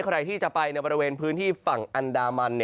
ใครที่จะไปในบริเวณพื้นที่ฝั่งอันดามัน